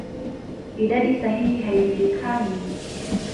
Idadi sahihi haijulikani.